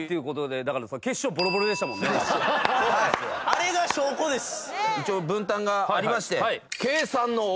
あれが証拠です。